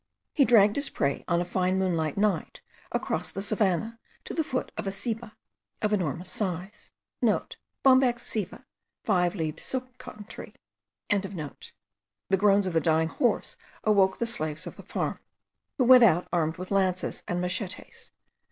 He dragged his prey on a fine moonlight night, across the savannah, to the foot of a ceiba* of an enormous size. (* Bombax ceiba: five leaved silk cotton tree.) The groans of the dying horse awoke the slaves of the farm, who went out armed with lances and machetes.